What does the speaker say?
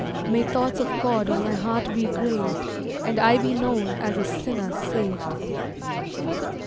May thoughts of God on my heart be graved, And I be known as a sinner saved.